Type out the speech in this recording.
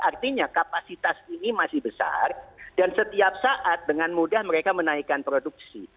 artinya kapasitas ini masih besar dan setiap saat dengan mudah mereka menaikkan produksi